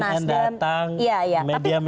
tapi artinya efeknya tidak sebesar itu